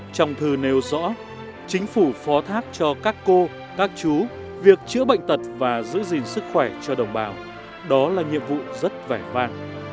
trong thư nêu rõ chính phủ phó thác cho các cô các chú việc chữa bệnh tật và giữ gìn sức khỏe cho đồng bào đó là nhiệm vụ rất vẻ vang